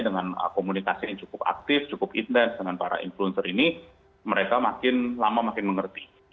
dengan komunikasi yang cukup aktif cukup intens dengan para influencer ini mereka makin lama makin mengerti